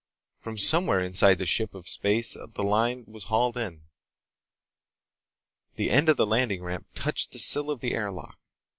From somewhere inside the ship of space the line was hauled in. The end of the landing ramp touched the sill of the air lock.